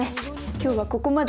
今日はここまで。